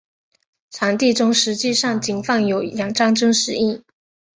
场地中实际上仅放有两张真实椅。